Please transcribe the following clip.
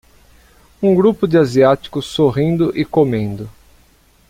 Um grupo de asiáticos sorrindo e comendo